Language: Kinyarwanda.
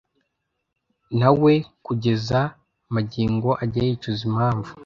na we kugeza magingo ajya yicuza impamvu